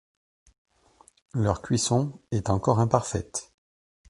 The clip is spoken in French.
Leur cuisson est encore imparfaite.